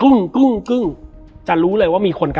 แล้วสักครั้งหนึ่งเขารู้สึกอึดอัดที่หน้าอก